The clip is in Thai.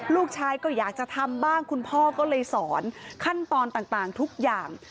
ลูกชายก็อยากจะทำบ้างคุณพ่อก็เลยสอนขั้นตอนต่างทุกอย่าง